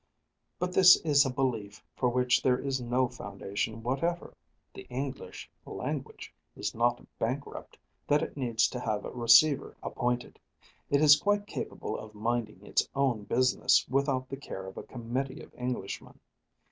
But this is a belief for which there is no foundation whatever. The English language is not bankrupt that it needs to have a receiver appointed; it is quite capable of minding its own business without the care of a committee of Englishmen.